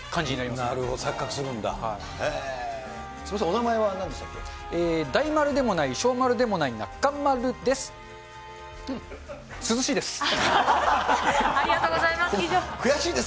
すみません、お名前はなんでしたっけ。大丸でもない、小丸でもない、中丸です。